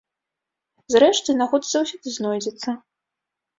Зрэшты, нагода заўсёды знойдзецца.